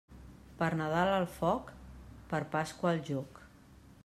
Per Nadal al foc, per Pasqua al jóc.